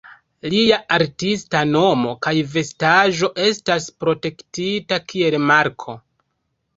Lia artista nomo kaj vestaĵo estas protektita kiel marko.